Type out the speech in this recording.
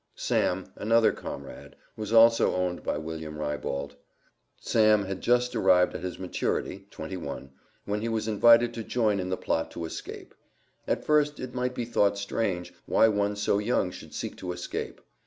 Sam, another comrade, was also owned by William Rybold. Sam had just arrived at his maturity (twenty one), when he was invited to join in the plot to escape. At first, it might be thought strange, why one so young should seek to escape.